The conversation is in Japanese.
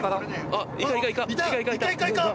あっいた！